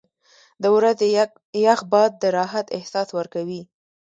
• د ورځې یخ باد د راحت احساس ورکوي.